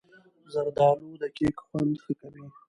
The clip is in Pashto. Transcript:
زردالو د کیک خوند ښه کوي.